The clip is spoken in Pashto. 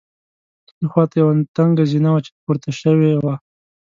ښي خوا ته یوه تنګه زینه وه چې پورته شوې وه.